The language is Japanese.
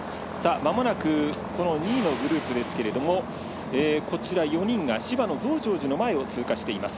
まもなく２位のグループ４人が芝の増上寺の前を通過しています。